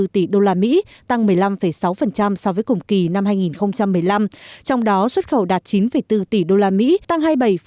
hai mươi tỷ usd tăng một mươi năm sáu so với cùng kỳ năm hai nghìn một mươi năm trong đó xuất khẩu đạt chín bốn tỷ usd tăng hai mươi bảy